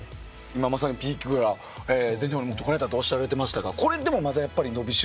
今まさにピークを全日本に持ってこられたとおっしゃられてましたがまだやっぱり伸び代。